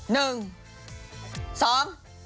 หนึ่งสอง